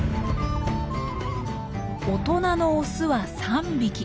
大人のオスは３匹。